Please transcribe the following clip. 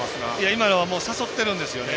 今のは誘っているんですよね。